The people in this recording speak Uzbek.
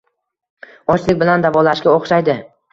Ochlik bilan davolashga oʻxshaydi